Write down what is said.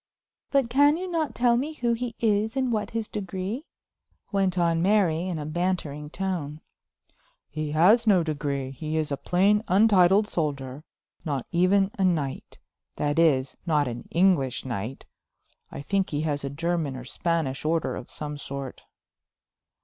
"But can you not tell me who he is, and what his degree?" went on Mary in a bantering tone. "He has no degree; he is a plain, untitled soldier, not even a knight; that is, not an English knight. I think he has a German or Spanish order of some sort."